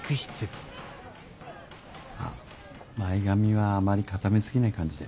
あっ前髪はあまり固め過ぎない感じで。